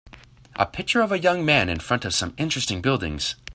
A picture of a young man in front of some interesting buildings.